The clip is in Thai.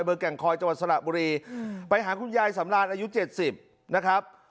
แก่งคอยจังหวัดสระบุรีไปหาคุณยายสำราญอายุ๗๐นะครับ